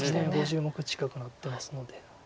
５０目近くなってますので。